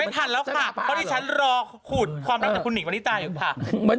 ไม่ทันแล้วค่ะเพราะฉันรอขู่ความรักจากคุณหลีกมาลิตาอยู่บ้าง